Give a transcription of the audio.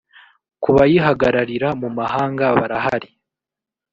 ku bayihagararira mu mahanga barahari